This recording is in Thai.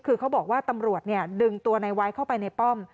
คือเขาบอกว่าตำรวจดึงตัวในไว้เข้าไปในป้อม